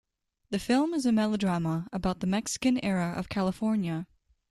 The film is a melodrama about the Mexican era of California.